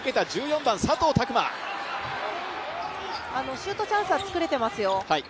シュートチャンスは作れてますよ。